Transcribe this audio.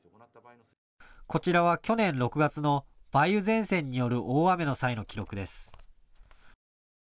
こちらは去年６月の梅雨前線による大雨の際の記録です。